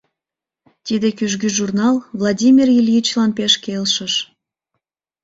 Тиде кӱжгӧ журнал Владимир Ильичлан пеш келшыш.